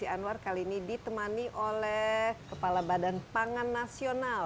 desi anwar kali ini ditemani oleh kepala badan pangan nasional